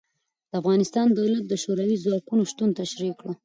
د افغانستان دولت د شوروي ځواکونو شتون تشرېح کړ.